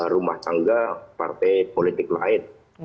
rumah tangga partai politik lain